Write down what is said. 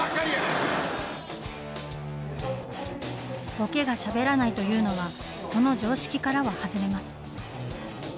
ボケがしゃべらないというのは、その常識からは外れます。